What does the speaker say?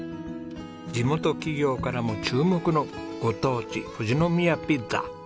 地元企業からも注目のご当地富士宮ピッツァ。